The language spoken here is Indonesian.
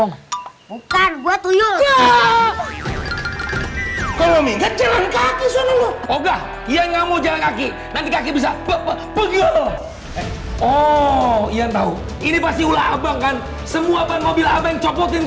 bukan gua tuyul ya adik adik ada jatuh di wakasih bangkitan lima medet adik